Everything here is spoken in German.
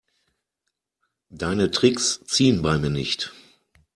Deine Tricks ziehen bei mir nicht.